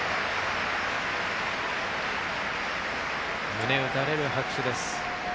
胸打たれる拍手です。